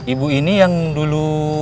ibu ini yang dulu